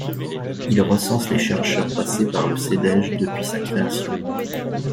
Il recense les chercheurs passés par le Cedej depuis sa création.